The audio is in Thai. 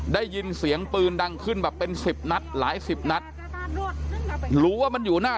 ได้ยินเสียงปืนดังขึ้นแบบเป็นสิบนัดหลายสิบนัดรู้ว่ามันอยู่หน้า